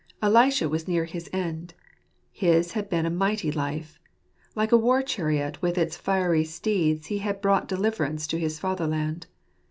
Elisha was near his end. His had been a mighty life. Like a war chariot with its fiery steeds he had brought deliver ance to his fatherland.